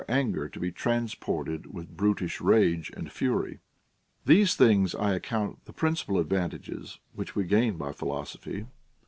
anger to be transported with brutish rage and fury. These things I account the principal advantages which we gain by philosophy.